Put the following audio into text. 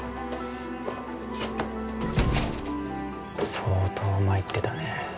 相当参ってたね。